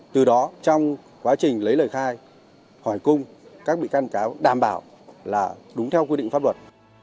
từ đó trong quá trình lấy lời khai hỏi cung các bị can cáo đảm bảo là đúng theo quy định pháp luật